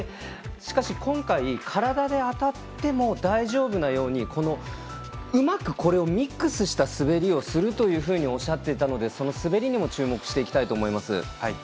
しかし、今回体で当たっても大丈夫なようにうまく、これをミックスした滑りをするとおっしゃっていたのでその滑りにも注目したいと思います。